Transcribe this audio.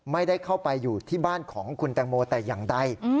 ไม่ได้เข้าไปอยู่ที่บ้านของคุณแตงโมแต่อย่างใด